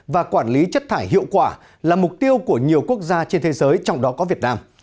và quản lý chất thải hiệu quả là mục tiêu của nhiều quốc gia trên thế giới trong đó có việt nam